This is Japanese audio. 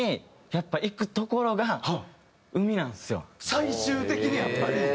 最終的にやっぱり？